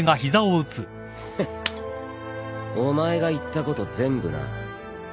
お前が言ったこと全部な。